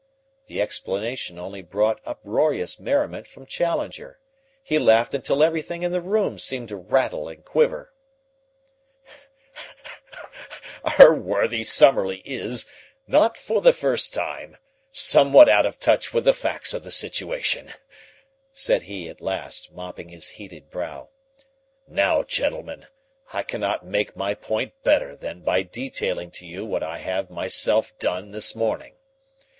The explanation only brought uproarious merriment from Challenger. He laughed until everything in the room seemed to rattle and quiver. "Our worthy Summerlee is, not for the first time, somewhat out of touch with the facts of the situation," said he at last, mopping his heated brow. "Now, gentlemen, I cannot make my point better than by detailing to you what I have myself done this morning.